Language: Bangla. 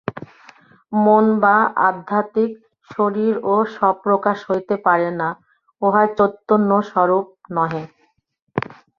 মন বা আধ্যাত্মিক শরীরও স্বপ্রকাশ হইতে পারে না, উহা চৈতন্যস্বরূপ নহে।